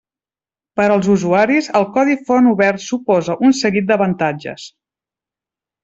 Per als usuaris, el codi font obert suposa un seguit d'avantatges.